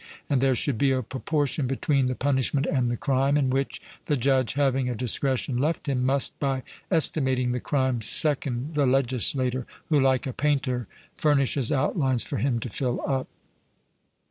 And there should be a proportion between the punishment and the crime, in which the judge, having a discretion left him, must, by estimating the crime, second the legislator, who, like a painter, furnishes outlines for him to fill up.